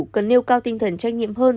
cần nêu cao tinh thần trách nhiệm hơn